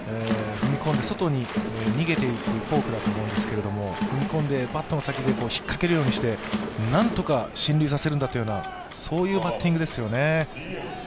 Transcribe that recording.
踏み込んで外に逃げていくフォームだと思うんですが、踏み込んでバットの先で引っかけるようにして、何とか進塁させるんだというバッティングですよね。